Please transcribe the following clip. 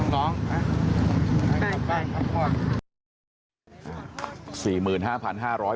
น้องไป